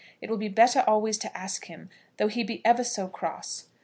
It will be better always to ask him, though he be ever so cross.